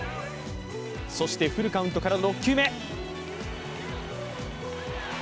そしてフルカウントから６球目。